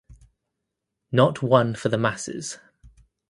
Not one for the masses.